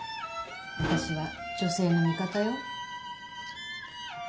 私は女性の味方よ。